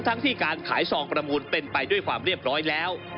ทั้งที่การขายซองประมูลเป็นไปด้วยความเรียบร้อยแล้ว